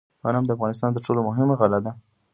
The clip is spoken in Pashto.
غنم د افغانستان تر ټولو مهمه غله ده.